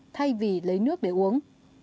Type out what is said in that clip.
thay vì lấy nước để uống